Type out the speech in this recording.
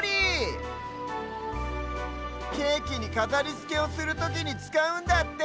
ケーキにかざりつけをするときにつかうんだって！